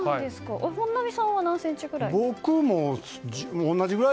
本並さん何センチぐらい？